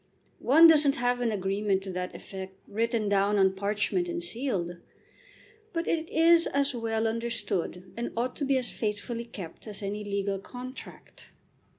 One doesn't have an agreement to that effect written down on parchment and sealed; but it is as well understood and ought to be as faithfully kept as any legal contract.